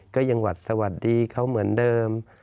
ก็ยังหวัดสวัสดีเขาเหมือนเดิม